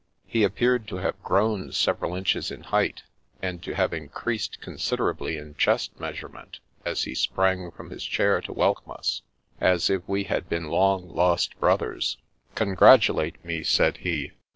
He appeared to have grown several inches in height, and 272 The Revenge of the Mountain 273 to have increased considerably in chest measurement, as he sprang from his chair to welcome us, as if we had been long lost brothers. " Congratulate me/' said he.